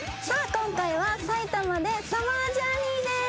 今回は埼玉でサマージャーニーです。